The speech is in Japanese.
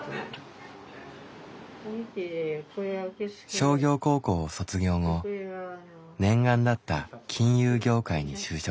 商業高校を卒業後念願だった金融業界に就職。